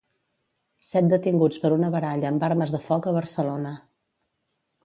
Set detinguts per una baralla amb armes de foc a Barcelona.